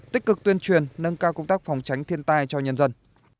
tích cực tuyên truyền nâng cao công tác phòng tránh thiên tai cho nhân dân